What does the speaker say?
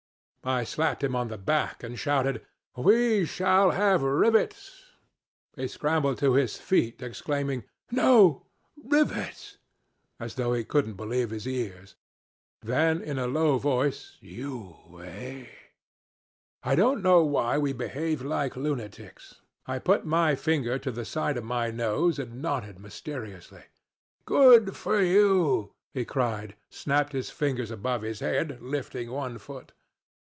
"I slapped him on the back and shouted, 'We shall have rivets!' He scrambled to his feet exclaiming 'No! Rivets!' as though he couldn't believe his ears. Then in a low voice, 'You ... eh?' I don't know why we behaved like lunatics. I put my finger to the side of my nose and nodded mysteriously. 'Good for you!' he cried, snapped his fingers above his head, lifting one foot.